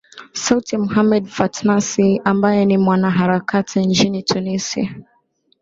sauti ya mohamed fatnasi ambae ni mwanaharakati nchini tunisia